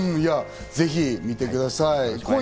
ぜひ見てください。